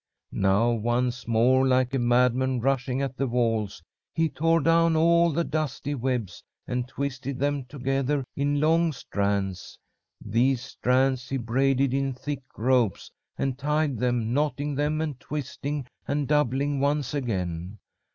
Now once more like a madman rushing at the walls, he tore down all the dusty webs, and twisted them together in long strands. These strands he braided in thick ropes and tied them, knotting them and twisting and doubling once again.